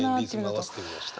リズム合わせてみました。